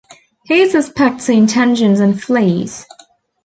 He suspects her intentions and flees.